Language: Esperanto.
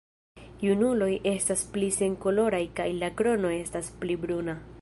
Junuloj estas pli senkoloraj kaj la krono estas pli bruna.